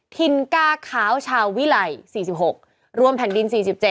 ทินก้าขาวชาววิไหล๔๖รวมแผ่นดิน๔๗